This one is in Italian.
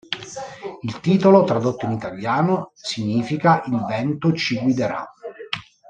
Il titolo, tradotto in italiano, significa "il vento ci guiderà".